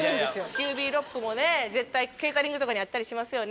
ＣＵＢＹＲＯＰも絶対ケータリングとかにあったりしますよね。